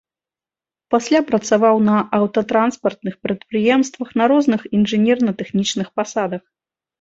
Пасля працаваў на аўтатранспартных прадпрыемствах на розных інжынерна-тэхнічных пасадах.